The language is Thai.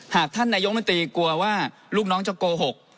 หากท่านนายกมนตรีกลัวว่าลูกน้องจะโกหก